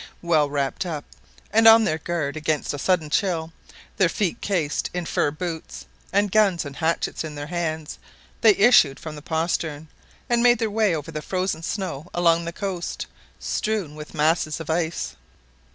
Well wrapt up, and on their guard against a sudden chill, their feet cased in furred boots, and guns and hatchets in their hands, they issued from the postern, and made their way over the frozen snow along the coast, strewn with masses of ice.